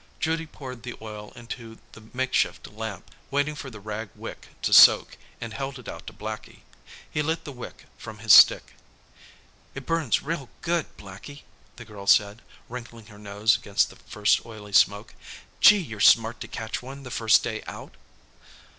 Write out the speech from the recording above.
Judy poured the oil into the makeshift lamp, waited for the rag wick to soak, and held it out to Blackie. He lit the wick from his stick. "It burns real good, Blackie," the girl said, wrinkling her nose against the first oily smoke. "Gee, you're smart to catch one the first day out."